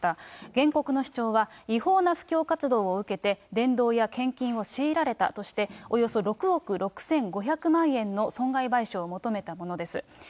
原告の主張は、違法な布教活動を受けて、伝道や献金を強いられたとして、およそ６億６５００万円の損害賠償を求めたものです。